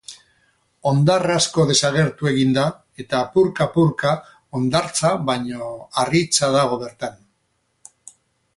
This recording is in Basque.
Hondar asko desagertu egin da, eta apurka-apurka hondartza baino harritza dago bertan.